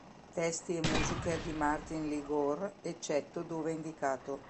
Testi e musiche di Martin Lee Gore, eccetto dove indicato.